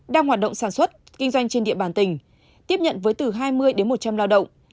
đang hoạt động sản xuất kinh doanh trên địa bàn tỉnh tiếp nhận với từ hai mươi đến một trăm linh lao động